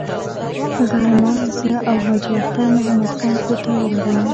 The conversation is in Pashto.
غرمه زه او حاجي اختر محمد خان کور ته ورغلو.